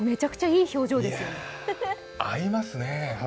いや、合いますね。